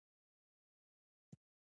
بايد د خلکو وړانديزونو ته پام وشي.